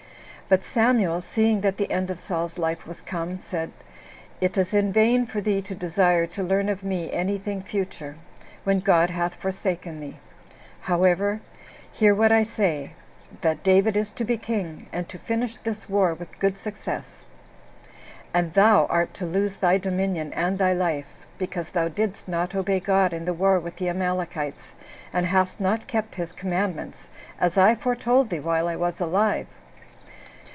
But 27 Samuel, seeing that the end of Saul's life was come, said, "It is in vain for thee to desire to learn of me any thing future, when God hath forsaken thee: however, hear what I say, that David is to be king, and to finish this war with good success; and thou art to lose thy dominion and thy life, because thou didst not obey God in the war with the Amalekites, and hast not kept his commandments, as I foretold thee while I was alive.